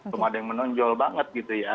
belum ada yang menonjol banget gitu ya